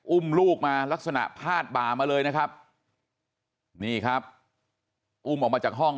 อุ้มลูกมาลักษณะพาดบ่ามาเลยนะครับนี่ครับอุ้มออกมาจากห้อง